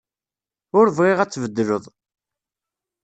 Ur bɣiɣ ad tbeddleḍ.